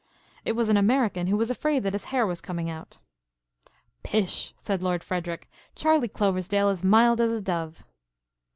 It was an American who was afraid that his hair was coming out." "Pish," said Lord Frederic, "Charley Ploversdale is mild as a dove."